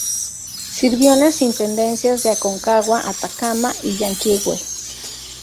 Sirvió en las Intendencias de Aconcagua, Atacama y Llanquihue.